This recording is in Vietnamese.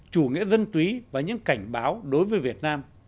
chủ nghĩa dân túy và những cảnh báo đối với việt nam